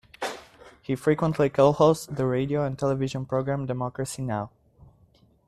He frequently co-hosts the radio and television program Democracy Now!